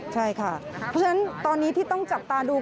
ใช่ค่ะเพราะฉะนั้นตอนนี้ที่ต้องจับตาดู